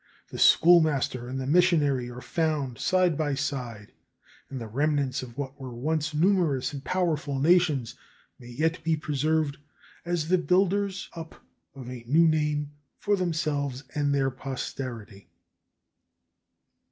The schoolmaster and the missionary are found side by side, and the remnants of what were once numerous and powerful nations may yet be preserved as the builders up of a new name for themselves and their posterity.